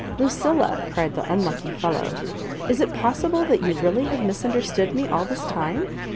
"Lucilla," cried the unlucky fellow, "is it possible that you really have misunderstood me all this time?